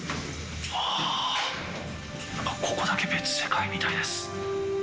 あっ、ここだけ別世界みたいです。